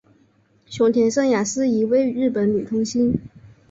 熊田圣亚是一位日本女童星。